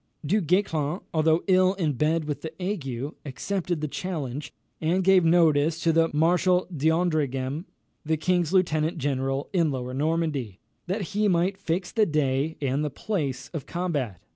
Du Guesclin, although ill in bed with the ague, accepted the challenge, and gave notice to the Marshal d'Andreghem, the king's lieutenant general in Lower Normandy, that he might fix the day and the place of combat.